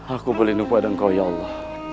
aku berlindung pada engkau ya allah